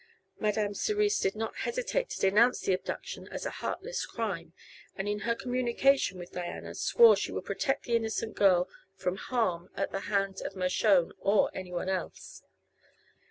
Madame Cerise did not hesitate to denounce the abduction as a heartless crime, and in her communication with Diana swore she would protect the innocent girl from harm at the hands of Mershone or anyone else.